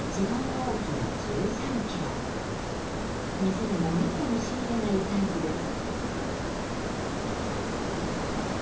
店でもめったに仕入れないサイズです。